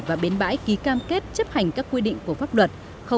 và bến bãi ký cam kết chấp hành các quy định của pháp luật